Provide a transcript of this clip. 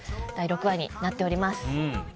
第６話になっております。